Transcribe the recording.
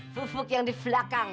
fufuk yang di belakang